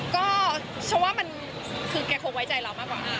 ก็ฉันว่ามันคือแกคงไว้ใจเรามากกว่า๕